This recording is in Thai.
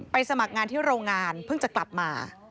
สมัครงานที่โรงงานเพิ่งจะกลับมา